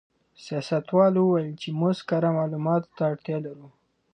سیاستوال وویل چې موږ کره معلوماتو ته اړتیا لرو.